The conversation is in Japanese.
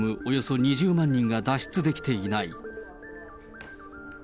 およそ２０万人が脱出できていない。